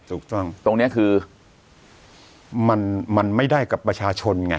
ถูกต้องตรงนี้คือมันไม่ได้กับประชาชนไง